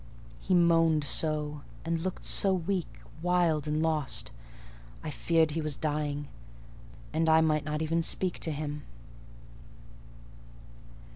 He moaned so, and looked so weak, wild, and lost, I feared he was dying; and I might not even speak to him.